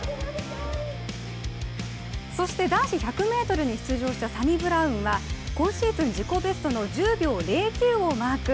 そして男子１００ｍに出場したサニブラウンは今シーズン自己ベストの１０秒０９をマーク。